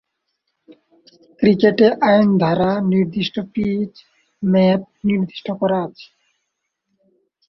ক্রিকেটে আইন দ্বারা নির্দিষ্ট পিচ, মাপ নির্দিষ্ট করা আছে।